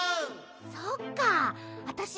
そっかわたし